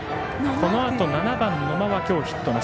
このあと７番、野間は今日ヒットなし。